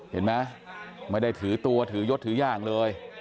เห็นไหมไม่ได้ถือตัวถือยดถืออย่างเลย